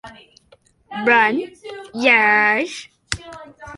The ailerons primarily control roll.